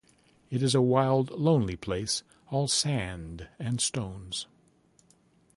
It is a wild, lonely place — all sand and stones.